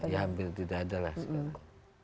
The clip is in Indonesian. ya hampir tidak ada lah sekarang